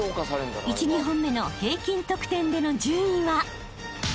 ［１・２本目の平均得点での順位は？］